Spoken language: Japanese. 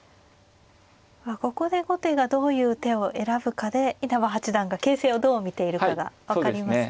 ここで後手がどういう手を選ぶかで稲葉八段が形勢をどう見ているかが分かりますね。